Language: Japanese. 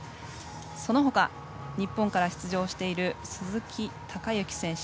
そのほか日本から出場している鈴木孝幸選手